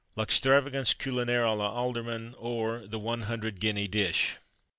_ _L'Extravagance Culinaire à l'Alderman, or the One Hundred Guinea Dish.